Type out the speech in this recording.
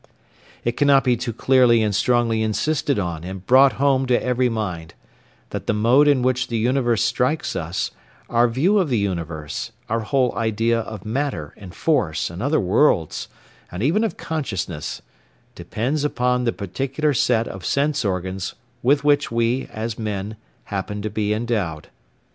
It cannot be too clearly and strongly insisted on and brought home to every mind, that the mode in which the universe strikes us, our view of the universe, our whole idea of matter, and force, and other worlds, and even of consciousness, depends upon the particular set of sense organs with which we, as men, happen to be endowed.